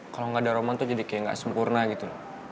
kalo gak ada roman tuh jadi kayak gak sempurna gitu